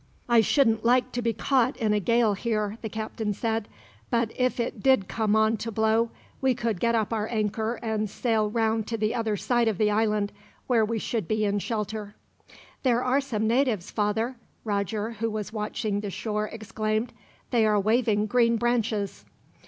"I shouldn't like to be caught in a gale here," the captain said; "but if it did come on to blow, we could get up our anchor and sail round to the other side of the island, where we should be in shelter." "There are some natives, father," Roger, who was watching the shore, exclaimed. "They are waving green branches."